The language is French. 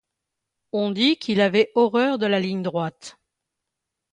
On dit qu'il avait horreur de la ligne droite.